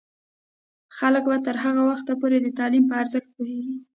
خلک به تر هغه وخته پورې د تعلیم په ارزښت پوهیږي.